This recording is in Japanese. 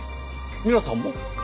皆さんも？